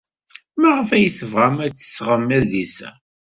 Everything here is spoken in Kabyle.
Maɣef ay tebɣam ad d-tesɣem adlis-a?